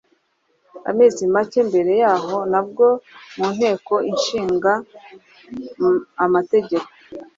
Amezi macye mbere yaho, nabwo mu nteko ishinga amategeko